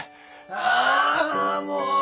ああーもう！